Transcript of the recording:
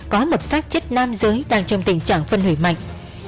có một pháp chất nam giới đang trong tình trạng phân hủy mạnh